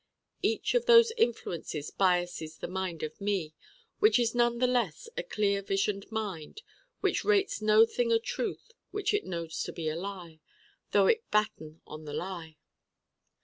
Each of those influences biases the Mind of me, which is none the less a clear visioned mind which rates no thing a truth which it knows to be a lie: though it batten on the lie.